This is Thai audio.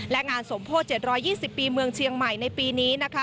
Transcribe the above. และงานสมโพธิ๗๒๐ปีเมืองเชียงใหม่ในปีนี้นะคะ